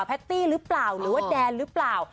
แต้หรือเปล่าหรือว่าแดนหรือเปล่า